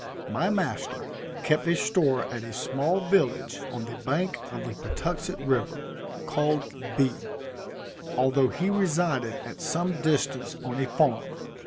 My master kept a store at a small village on the bank of the Patuxent river, called B , although he resided at some distance on a farm.